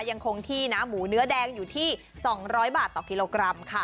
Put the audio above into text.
ยังคงที่นะหมูเนื้อแดงอยู่ที่๒๐๐บาทต่อกิโลกรัมค่ะ